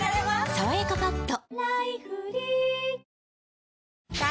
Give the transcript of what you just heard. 「さわやかパッド」